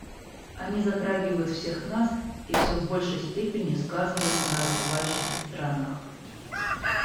Они затрагивают всех нас и все в большей степени сказываются на развивающихся странах.